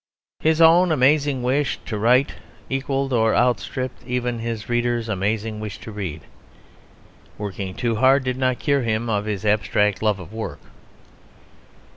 His own amazing wish to write equalled or outstripped even his readers' amazing wish to read. Working too hard did not cure him of his abstract love of work.